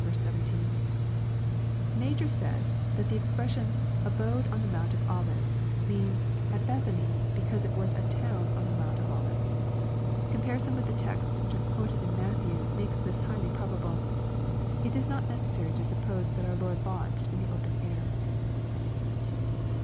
Ma jor says, that the expression, " abode in the Mount of OUves," means " at Bethany, because it was a town on the Mount of Ol ives." Comparison with the text just quoted in Matthew, makes this highly probable. It is not necessary to suppose that our Lord lodged in the open air.